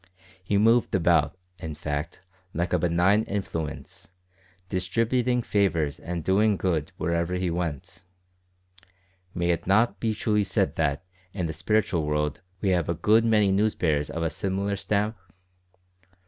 He moved about, in fact, like a benign influence, distributing favours and doing good wherever he went. May it not be said truly that in the spiritual world we have a good many news bearers of a similar stamp?